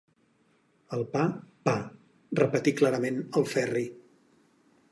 El pa, pa –repetí clarament el Ferri.